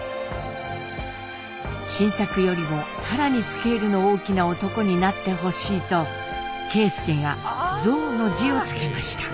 新作よりも更にスケールの大きな男になってほしいと啓介が「造」の字を付けました。